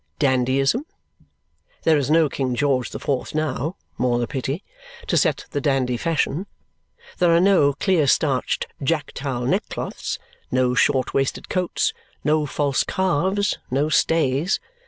Dandyism? There is no King George the Fourth now (more the pity) to set the dandy fashion; there are no clear starched jack towel neckcloths, no short waisted coats, no false calves, no stays.